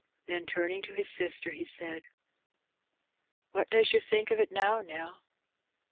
Then, turning to his sister, he said — "What does yer think o' it now, Nell?"